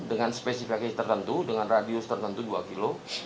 dengan spesifikasi tertentu dengan radius tertentu dua kilo